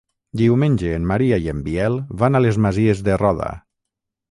Diumenge en Maria i en Biel van a les Masies de Roda.